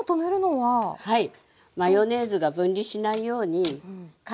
はい。